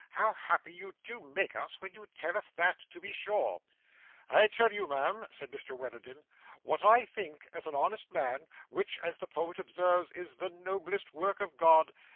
'How happy you do make us when you tell us that, to be sure!' 'I tell you, ma'am,' said Mr Witherden, 'what I think as an honest man, which, as the poet observes, is the noblest work of God.